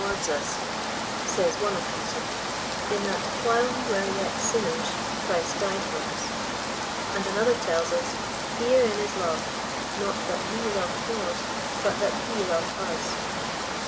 24 one apostle, *' in that while we were yet sinners^ Christ died for us." And another tells us, •• herein is love, not that we loved God but that he loved us."